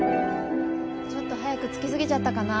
ちょっと早く着き過ぎちゃったかな。